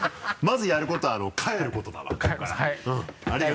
まずやることは帰ることだな